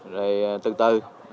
rồi từ từ